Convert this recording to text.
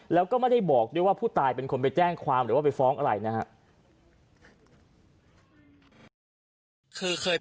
แล้วก็ไม่ได้บอกด้วยว่าผู้ตายเป็นคนไปแจ้งความหรือว่าไปฟ้องอะไรนะครับ